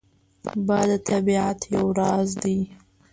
باد د طبیعت یو راز دی